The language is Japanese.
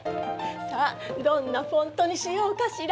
さあどんなフォントにしようかしら。